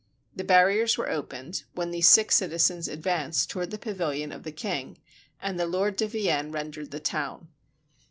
The barriers were opened, when these six citizens advanced toward the pavilion of the king, and the Lord de Vienne rendered the town.